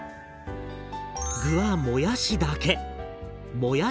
具はもやしだけ！